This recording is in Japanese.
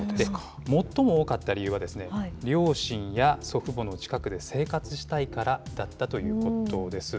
最も多かった理由は、両親や祖父母の近くで生活したいからだったということです。